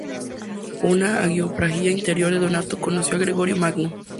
Una hagiografía anterior de Donato conoció a Gregorio Magno.